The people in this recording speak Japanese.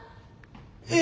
え！